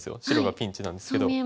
白がピンチなんですけど。